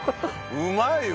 うまいわ！